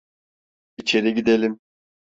İçeri gidelim.